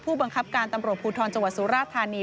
ผู้บังคับการตำรวจภูทรจังหวัดสุราธานี